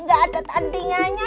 nggak ada tandingannya ya